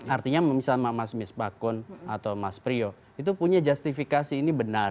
artinya misalnya mas mis bakun atau mas priyo itu punya justifikasi ini benar